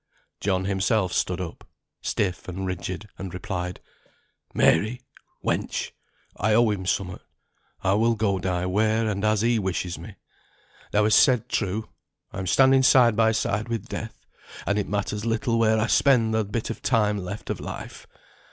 John himself stood up, stiff and rigid, and replied, "Mary, wench! I owe him summut. I will go die, where, and as he wishes me. Thou hast said true, I am standing side by side with Death; and it matters little where I spend the bit of time left of Life.